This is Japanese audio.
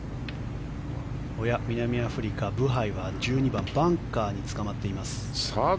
南アフリカ、ブハイは１２番でバンカーにつかまっています。